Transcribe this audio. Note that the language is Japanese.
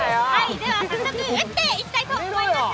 では早速、撃っていきたいと思います。